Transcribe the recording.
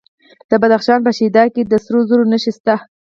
د بدخشان په شهدا کې د سرو زرو نښې شته.